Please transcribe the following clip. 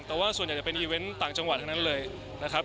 แต่ว่าส่วนใหญ่จะเป็นอีเวนต์ต่างจังหวัดทั้งนั้นเลยนะครับ